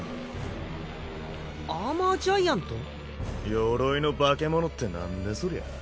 鎧の化け物ってなんだそりゃ。